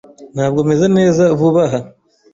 Ntabwo meze neza vuba aha.